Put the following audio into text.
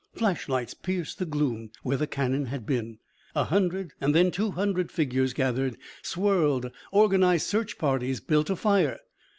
Flash lights pierced the gloom. Where the cannon had been, a hundred and then two hundred figures gathered, swirled, organized search parties, built a fire.